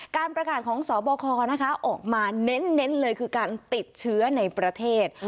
การประกาศของสบคออกมาเน้นเลยคือการติดเชื้อในประเทศ